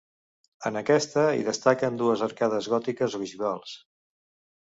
En aquesta, hi destaquen dues arcades gòtiques ogivals.